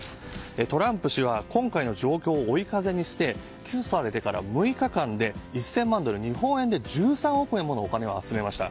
トランプ氏は今回の状況を追い風にして起訴されてから６日間で１０００万ドル日本円で１３億円ものお金を集めました。